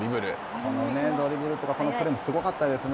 このドリブルというか、このプレーもすごかったですね。